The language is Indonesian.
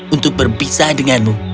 untuk berpisah denganmu